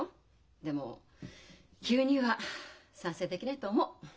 でも急には賛成できないと思う。